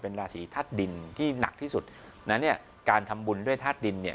เป็นราศีทัศน์ดินที่หนักที่สุดแล้วเนี่ยการทำบุญด้วยทัศน์ดินเนี่ย